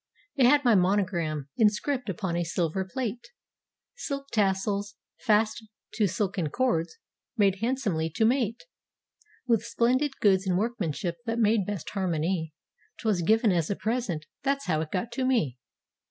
It had my monogram in script upon a silver plate; Silk tassels, fast to silken cords, made handsomely to mate With splendid goods and workmanship that made best harmony— 'Twas given as a present—that's how it got to me.